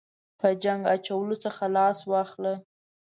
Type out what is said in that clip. په جنګ اچولو څخه لاس واخله.